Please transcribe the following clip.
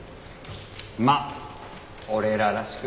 まっ俺ららしく。